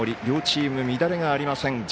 両チーム、乱れがありません。